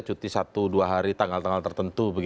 cuti satu dua hari tanggal tanggal tertentu